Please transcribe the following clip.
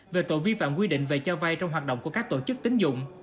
về tội vi phạm quy định về trao vai trong hoạt động của các tổ chức tính dụng